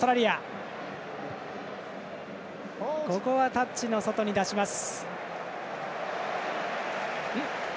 タッチの外に出します。